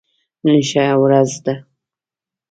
نن ښه ورځ ده